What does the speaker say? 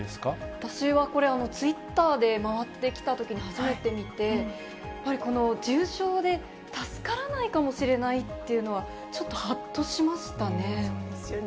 私はこれ、ツイッターで回ってきたときに初めて見て、やっぱり重症で助からないかもしれないというのは、ちょっとはっそうですよね。